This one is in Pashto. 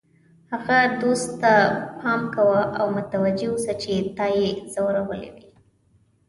هغه دوست ته پام کوه او متوجه اوسه چې تا یې ځورولی وي.